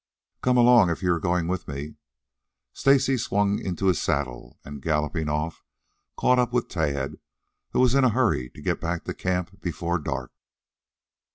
"Come along if you are going with me." Stacy swung into his saddle, and, galloping off, caught up with Tad, who was in a hurry to get back to camp before dark.